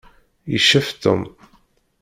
Yeccef Tom.